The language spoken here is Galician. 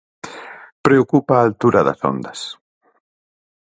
Preocupa a altura das ondas.